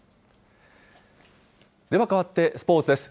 ではかわって、スポーツです。